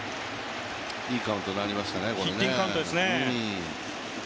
いいカウントになりましたね。